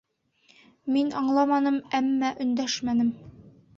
Миң аңламаным, әммә өндәшмәнем.